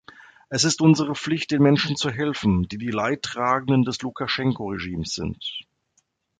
Es ist unsere Pflicht, den Menschen zu helfen, die die Leidtragenden des Lukaschenko-Regimes sind.